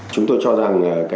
chúng tôi cho rằng